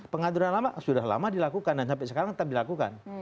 pengaduran lama sudah lama dilakukan dan sampai sekarang tetap dilakukan